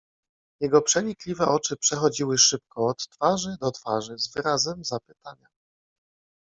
"Jego przenikliwe oczy przechodziły szybko od twarzy do twarzy, z wyrazem zapytania."